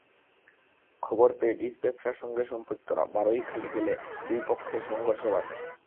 খবর পেয়ে ডিস ব্যবসার সঙ্গে সম্পৃক্তরা বারৈখালী গেলে দুই পক্ষে সংঘর্ষ বাধে।